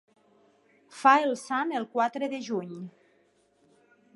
Fa el sant el quatre de juny.